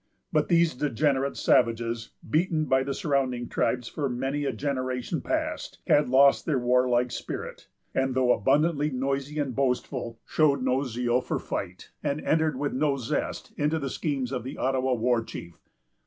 But these degenerate savages, beaten by the surrounding tribes for many a generation past, had lost their warlike spirit; and, though abundantly noisy and boastful, showed no zeal for fight, and entered with no zest into the schemes of the Ottawa war chief.